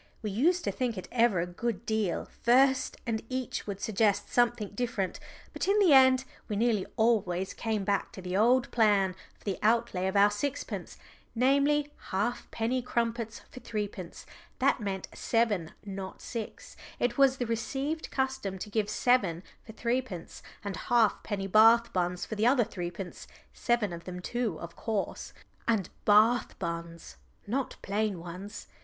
We used to think it over a good deal first and each would suggest something different, but in the end we nearly always came back to the old plan for the outlay of our sixpence, namely, half penny crumpets for threepence that meant seven, not six; it was the received custom to give seven for threepence and half penny Bath buns for the other threepence seven of them too, of course. And Bath buns, not plain ones.